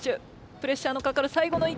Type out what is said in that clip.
プレッシャーのかかるさいごの１球。